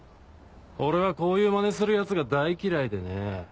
俺はこういうまねするヤツが大嫌いでね。